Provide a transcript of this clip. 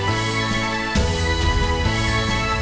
ờ đúng rồi